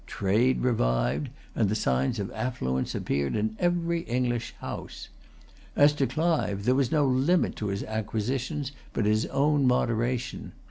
Trade revived; and the signs of affluence appeared in every English house. As to Clive, there was no limit to his acquisitions but his own moderation.